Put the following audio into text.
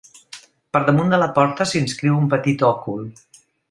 Per damunt de la porta s'inscriu un petit òcul.